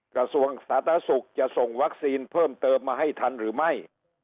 กระทรวงสาธารณสุขจะส่งวัคซีนเพิ่มเติมมาให้ทันหรือไม่